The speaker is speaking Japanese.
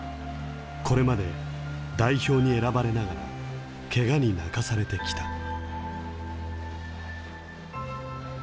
これまで代表に選ばれながらけがに泣かされてきた。